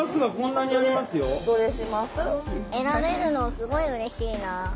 選べるのすごいうれしいな。